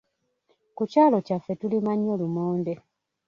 Ku kyalo kyaffe tulima nnyo lumonde.